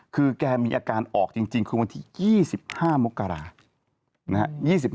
คือแกมีอาการออกจริงคือวันที่๒๕มกรานะฮะ